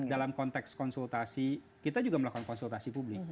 dalam konteks konsultasi kita juga melakukan konsultasi publik